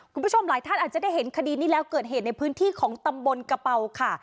คุณผู้ชมหลายท่านอาจจะได้เห็นคดีนี้แล้วเกิดเหตุในพื้นที่ของตำบลกระเป๋าค่ะ